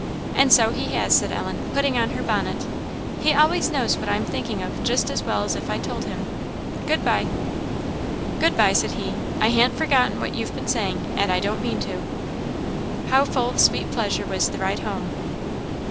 "And so he has," said Ellen, putting on her bonnet; "he always knows what I am thinking of just as well as if I told him. Good bye!" "Good bye," said he "I han't forgotten what you've been saying, and I don't mean to." How full of sweet pleasure was the ride home!